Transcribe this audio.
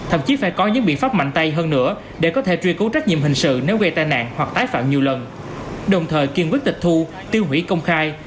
hoặc tái phạm nhiều lần đồng thời kiên quyết tịch thu tiêu hủy công khai